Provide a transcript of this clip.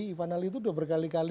ivana lee itu dua berkali kali